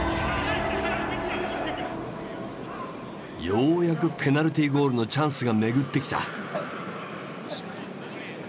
ようやくペナルティーゴールのチャンスが巡ってきた。